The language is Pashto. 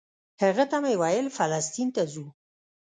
هغه ته مې ویل فلسطین ته ځو.